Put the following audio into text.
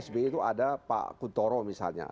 pak kuntoro misalnya